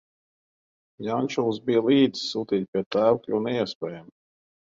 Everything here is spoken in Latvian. Un Jančulis bija līdz, sūtīt pie tēva kļuva neiespējami.